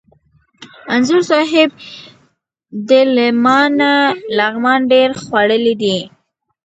انځور صاحب! ده له ما نه لغمان ډېر خوړلی دی.